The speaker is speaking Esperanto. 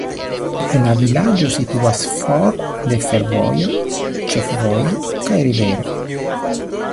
La vilaĝo situas for de fervojo, ĉefvojo kaj rivero.